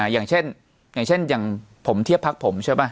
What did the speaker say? อย่างเช่นอย่างเช่นอย่างผมเทียบพักผมใช่ป่ะ